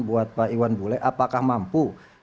buat pak iwan bule apakah mampu